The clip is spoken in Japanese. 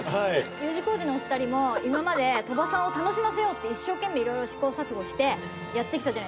Ｕ字工事のお二人も今まで鳥羽さんを楽しませようって一生懸命色々試行錯誤してやってきたじゃないですか。